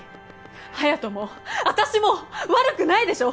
隼斗も私も悪くないでしょ！